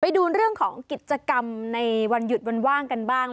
ไปดูเรื่องของกิจกรรมในวันหยุดวันว่างกันบ้าง